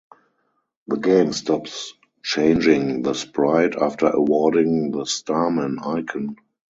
The game stops changing the sprite after awarding the starman icon.